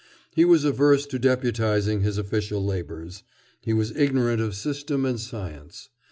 He was averse to deputizing his official labors. He was ignorant of system and science.